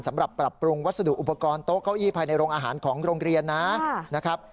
ปรับปรุงวัสดุอุปกรณ์โต๊ะเก้าอี้ภายในโรงอาหารของโรงเรียนนะครับ